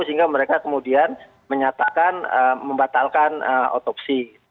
sehingga mereka kemudian menyatakan membatalkan otopsi